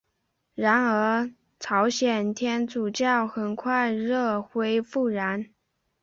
然而朝鲜天主教很快死灰复燃。